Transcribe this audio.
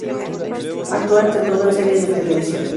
Actúa ante todo en series de televisión.